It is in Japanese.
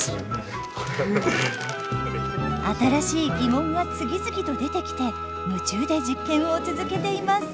新しい疑問が次々と出てきて夢中で実験を続けています。